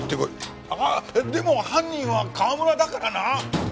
でも犯人は川村だからな！？